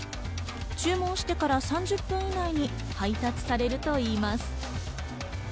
注文してから３０分以内に配達されるといいます。